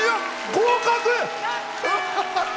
合格！